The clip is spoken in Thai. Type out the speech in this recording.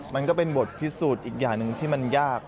มันก็เป็นบทพิสูจน์อีกอย่างหนึ่งที่มันยาก